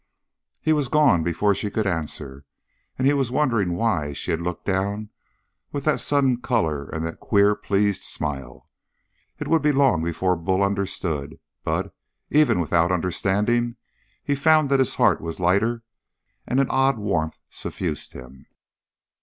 He was gone before she could answer, and he was wondering why she had looked down with that sudden color and that queer, pleased smile. It would be long before Bull understood, but, even without understanding, he found that his heart was lighter and an odd warmth suffused him.